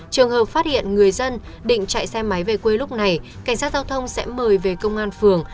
trường hợp phát hiện người dân định chạy xe máy về quê lúc này cảnh sát giao thông sẽ mời về công an phường